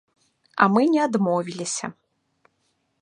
А мы не адмовіліся.